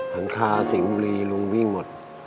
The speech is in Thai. หลังคาสิงห์บุรีลุงวิ่งหมด